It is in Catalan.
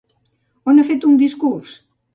On ha fet un discurs?